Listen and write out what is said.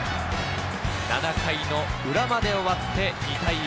７回の裏まで終わって２対１。